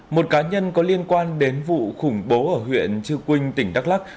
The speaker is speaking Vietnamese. một cá nhân có liên quan đến vụ khủng bố ở huyện chư quynh tỉnh đắk lắc